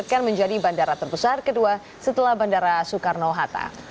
akan menjadi bandara terbesar kedua setelah bandara soekarno hatta